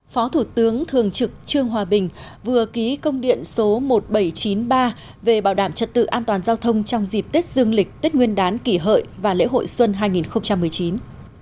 phó thủ tướng thường trực trương hòa bình vừa ký công điện số một nghìn bảy trăm chín mươi ba về bảo đảm trật tự an toàn giao thông trong dịp tết dương lịch tết nguyên đán kỷ hợi và lễ hội xuân hai nghìn một mươi chín